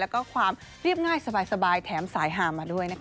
แล้วก็ความเรียบง่ายสบายแถมสายหามาด้วยนะคะ